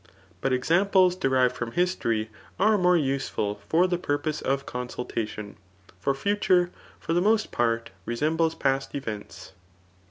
bnt examples derhred from history are more useful for the purposes of consultation ; for foture, for the most part, resemble past events.